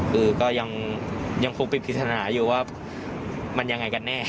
คือก็ยังยังคงไปคิดหน่าอยู่ว่ามันยังไงกันแน่ครับ